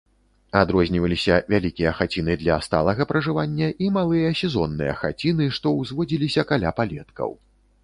Адрозніваліся вялікія хаціны для сталага пражывання і малыя сезонныя хаціны, што ўзводзіліся каля палеткаў.